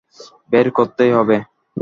বের করতেই হবে?